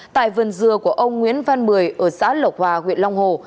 tại vườn dừa của ông nguyễn văn mười ở xã lộc hòa huyện long hồ